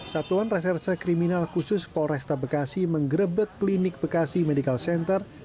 satuan reserse kriminal khusus polresta bekasi menggrebek klinik bekasi medical center